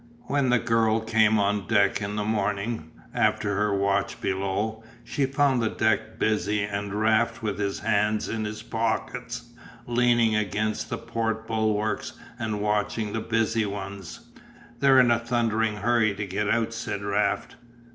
When the girl came on deck in the morning, after her watch below, she found the deck busy and Raft with his hands in his pockets leaning against the port bulwarks and watching the busy ones. "They're in a thundering hurry to get out," said Raft.